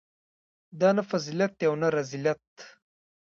دا نه فضیلت دی او نه رذیلت.